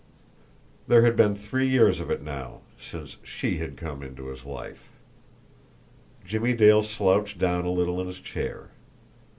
There had been three years of it now since SHE had come into his life. Jimmie Dale slouched down a little in his chair.